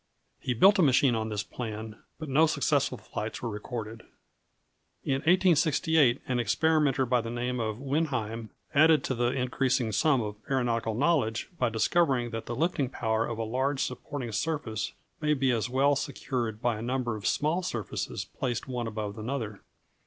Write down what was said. He built a machine on this plan, but no successful flights are recorded. In 1868, an experimenter by the name of Wenham added to the increasing sum of aeronautical knowledge by discovering that the lifting power of a large supporting surface may be as well secured by a number of small surfaces placed one above another.